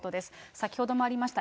先ほどもありました